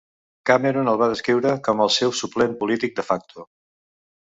Cameron el va descriure com el seu "suplent polític de facto."